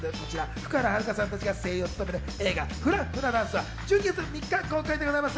福原遥さんたちが声優を務める映画『フラ・フラダンス』は１２月３日公開です。